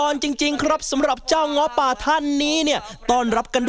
แม่งี้น้องก่อนแม่งี้ท่าน